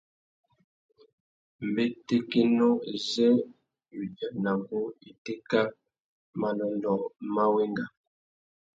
Mbétékénô zê udzanamú itéka manônōh má wenga.